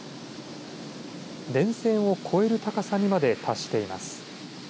電線を越える高さにまで達してます。